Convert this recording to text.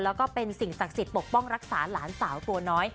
แล้วก็เป็นสิ่งศักดิ์สิทธิ์ปกป้องรักษาหลานสาวตัวน้อย